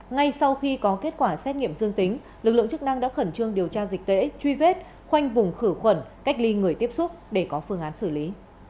ngay sau khi có kết quả xét nghiệm dương tính lực lượng chức năng đã khẩn trương điều tra dịch tễ truy vết khoanh vùng khử khuẩn cách ly người tiếp xúc để có phương án xử lý